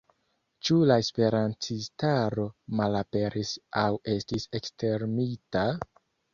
Ĉu la esperantistaro malaperis aŭ estis ekstermita?